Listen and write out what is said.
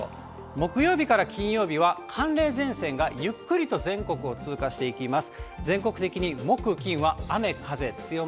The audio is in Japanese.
木曜日から金曜日は、寒冷前線がゆっくりと全国を通過していきます。